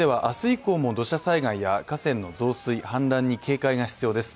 以降も土砂災害や河川の増水・氾濫に警戒が必要です。